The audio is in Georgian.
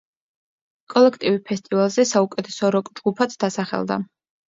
კოლექტივი ფესტივალზე საუკეთესო როკ-ჯგუფად დასახელდა.